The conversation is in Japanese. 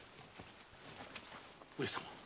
上様。